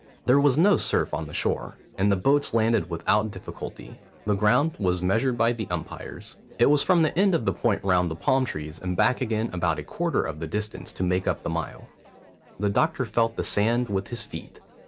There was no surf on the shore, and the boats landed without difficulty. The ground was measured by the umpires. It was from the end of the point round the palm trees and back again about a quarter of the distance to make up the mile. The doctor felt the sand with his feet.